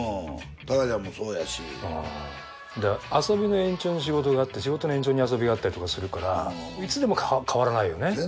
遊びの延長に仕事があって仕事の延長に遊びがあったりとかするからいつでも変わらないよね。